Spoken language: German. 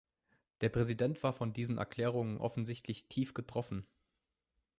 Der Präsident war von diesen Erklärungen offensichtlich tief getroffen.